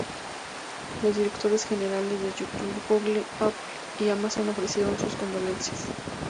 Los directores generales de YouTube, Google, Apple y Amazon ofrecieron sus condolencias.